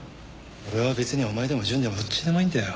俺は別にお前でも淳でもどっちでもいいんだよ。